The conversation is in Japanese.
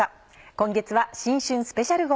今月は新春スペシャル号。